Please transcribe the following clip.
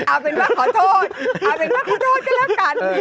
เอาเป็นว่าขอโทษจะแล้วกัน